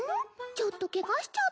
ちょっとケガしちゃった。